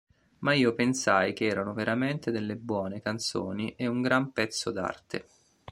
Ma io pensai che erano veramente delle buone canzoni e un gran pezzo d'arte.